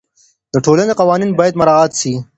د ټولني قوانین باید مراعات سي.